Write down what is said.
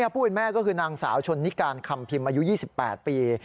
ผู้เป็นแม่ก็คือนางสาวชนนิการคำพิมพ์อายุ๒๘ปี